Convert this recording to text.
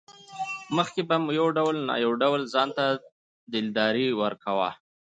مخکې به مې يو ډول نه يو ډول ځانته دلداري ورکوه.